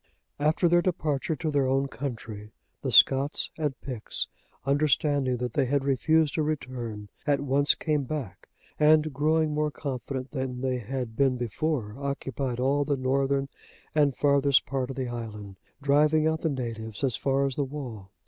After their departure to their own country, the Scots and Picts, understanding that they had refused to return, at once came back, and growing more confident than they had been before, occupied all the northern and farthest part of the island, driving out the natives, as far as the wall.